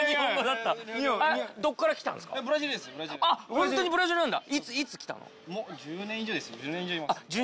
本当にブラジルなんだ。